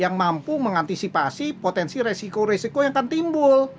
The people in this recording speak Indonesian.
yang mampu mengantisipasi potensi resiko resiko yang akan timbul